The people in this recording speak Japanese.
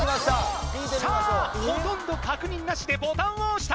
さあほとんど確認なしでボタンを押した！